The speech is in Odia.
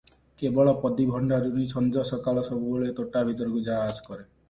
କେବଳ ପଦୀ ଭଣ୍ଡାରୁଣୀ ସଞ୍ଜ ସକାଳ ସବୁବେଳେ ତୋଟା ଭିତରକୁ ଯା ଆସ କରେ ।